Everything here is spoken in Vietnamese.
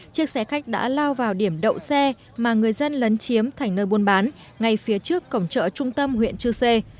chiếc xe khách đã lao vào điểm đậu xe mà người dân lấn chiếm thành nơi buôn bán ngay phía trước cổng chợ trung tâm huyện chư sê